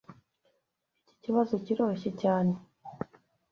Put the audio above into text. Iki kibazo kiroroshye cyane.